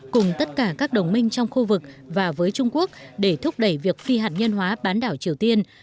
cùng tất cả các đồng minh trong khu vực và với trung quốc để thúc đẩy việc phi hạt nhân hóa bán đảo triều tiên